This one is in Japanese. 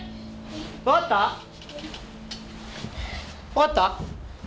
分かった？